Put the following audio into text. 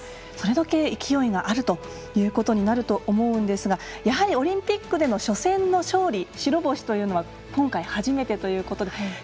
それだけ勢いがあるということになると思うんですがやはり、オリンピックでの初戦の勝利白星というのは大きいものですね。